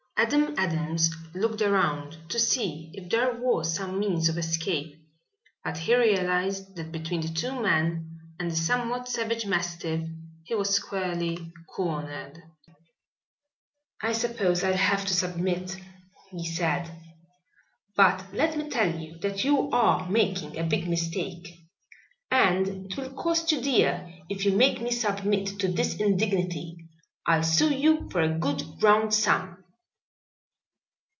Adam Adams looked around to see if there was some means of escape. But he realized that between the two men and the somewhat savage mastiff he was squarely cornered. "I suppose I'll have to submit," he said. "But let me tell you that you are making a big mistake and it will cost you dear if you make me submit to this indignity. I'll sue you for a good round sum."